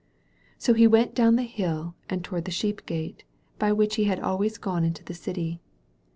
So he went down the hill and toward the Sheep Gate by which he had always gone into the city.